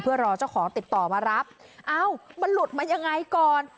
เพื่อรอเจ้าของติดต่อมารับเอ้ามันหลุดมายังไงก่อน